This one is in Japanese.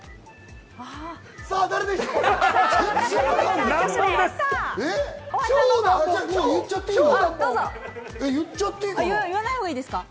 さぁ誰でしょうか。